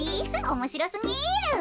おもしろすぎる。